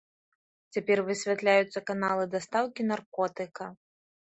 Цяпер высвятляюцца каналы дастаўкі наркотыка.